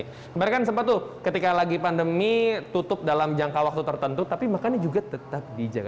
kemarin kan sempat tuh ketika lagi pandemi tutup dalam jangka waktu tertentu tapi makannya juga tetap dijaga